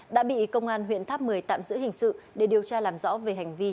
đã bị công an huyện tháp một mươi tạm giữ hình sự để điều tra làm rõ về hành vi